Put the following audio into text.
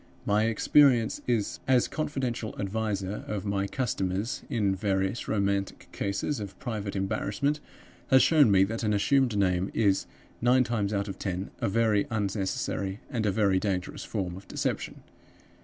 My experience, as confidential adviser of my customers, in various romantic cases of private embarrassment, has shown me that an assumed name is, nine times out of ten, a very unnecessary and a very dangerous form of deception.